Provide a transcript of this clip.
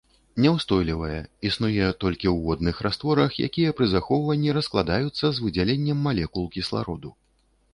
Няўстойлівая, існуе толькі ў водных растворах, якія пры захоўванні раскладаюцца з выдзяленнем малекул кіслароду.